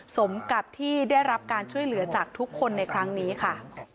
สมกับที่ได้รับการช่วยเหลือจากทุกคนในครั้งนี้ค่ะ